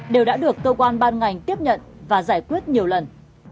đều đã được cơ quan ban ngành tiếp nhận và giải quyết nhiều lần